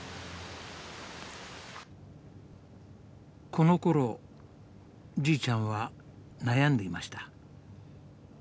このころじいちゃんは悩んでいました。